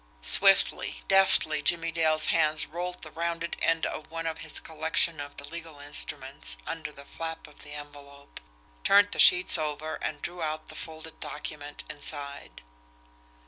Swiftly, deftly, Jimmie Dale's hands rolled the rounded end of one of his collection of the legal instruments under the flap of the envelope, turned the sheets over and drew out the folded document inside.